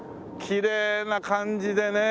きれいな感じでね。